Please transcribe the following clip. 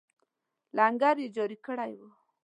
لنګر یې جاري کړی وو.